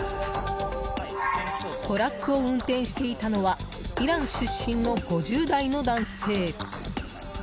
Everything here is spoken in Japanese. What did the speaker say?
トラックを運転していたのはイラン出身の５０代の男性。